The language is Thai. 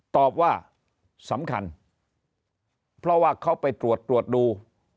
ตอบว่าสำคัญเพราะว่าเขาไปตรวจตรวจดู